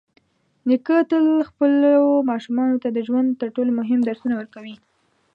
نیکه تل خپلو ماشومانو ته د ژوند تر ټولو مهم درسونه ورکوي.